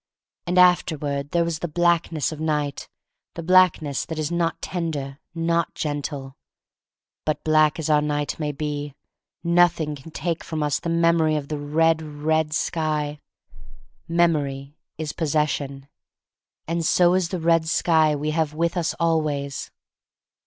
And afterward there was the black ness of Night, the blackness that is not tender, not gentle. But black as our Night may be, nothing can take from us the memory of the red, red sky. "Memory is pos session," and so the red sky we have with us always.